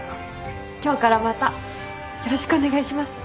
今日からまたよろしくお願いします。